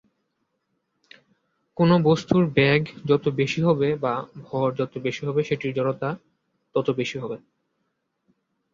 কোন বস্তুর বেগ যত বেশি হবে বা ভর যত বেশি হবে সেটির জড়তা তত বেশি হবে।